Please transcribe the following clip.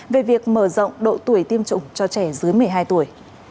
về việc mở rộng độ tuổi tiêm chủng cho trẻ dưới một mươi hai tuổi